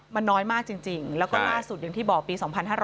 มันน้อยมากจริงแล้วก็ล่าสุดอย่างที่บอกปี๒๕๕๙